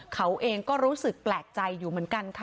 เขาเองก็รู้สึกแปลกใจอยู่เหมือนกันค่ะ